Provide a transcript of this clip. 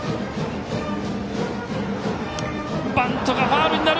バントがファウルになる。